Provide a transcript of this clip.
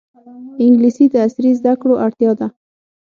انګلیسي د عصري زده کړو اړتیا ده